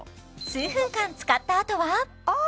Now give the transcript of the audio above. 数分間使ったあとはああ！